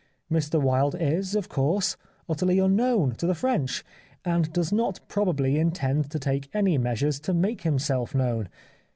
Mr Wilde, is, of course, utterly unknown to the French, and does not probably intend to take any measures to make himself known.